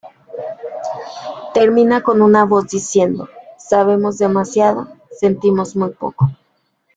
Termina con una voz diciendo "sabemos demasiado, sentimos muy poco".